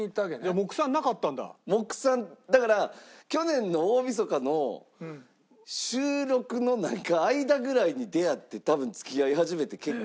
目算だから去年の『大晦日』の収録の間ぐらいに出会って多分付き合い始めて結婚。